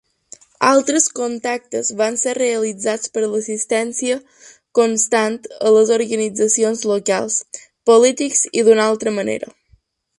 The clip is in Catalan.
Altres contactes van ser realitzats per l'assistència constant a les organitzacions locals, polítics i d'una altra manera.